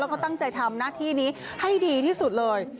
แล้วก็ตั้งใจทำหน้าที่นี้ให้ดีที่สุดเลย